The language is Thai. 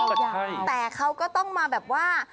อ้าวไม่ใช่มากแต่เขาก็ต้องมาแบบว่า